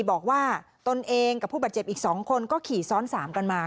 บอกว่าตนเองกับผู้บาดเจ็บอีก๒คนก็ขี่ซ้อน๓กันมา